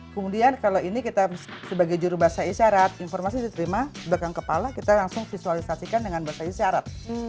kemudian kalau ini kita sebagai juru bahasa isyarat informasi diterima belakang kepala kita langsung visualisasikan dengan bahasa isyarat